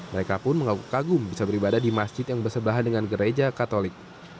mereka pun mengaku kagum bisa beribadah di masjid yang bersebelahan dengan gereja katolik